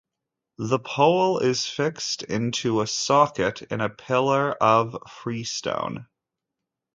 The pole is fixed into a socket in a pillar of freestone.